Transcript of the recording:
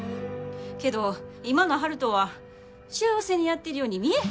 けど今の悠人は幸せにやってるように見えへん。